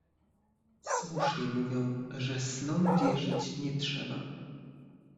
"Słusznie mówią, że snom wierzyć nie trzeba."